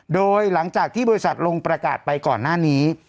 โดยหลังจากที่บริษัทลงประกาศไปก่อนหน้านี้